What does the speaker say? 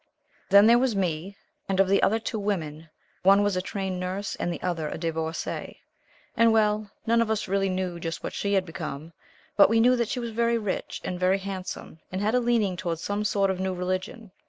Then there was "Me," and of the other two women one was a Trained Nurse, and the other a Divorcée, and well, none of us really knew just what she had become, but we knew that she was very rich, and very handsome, and had a leaning toward some sort of new religion.